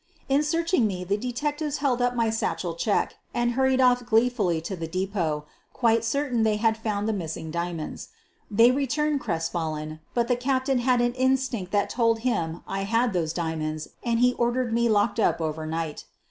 In searching me the detectives held up my satchel check and hurried off gleefully to the depot, quite certain that they had found the missing diamonds. They returned crestfallen, but the captain had an instinct that told him I had those diamonds and he ordered me locked up over night.